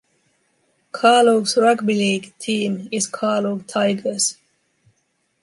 Carluke's Rugby League team is Carluke Tigers.